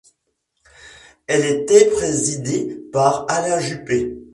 Elle était présidée par Alain Juppé.